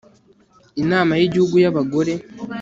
inama y'igihugu y'abagore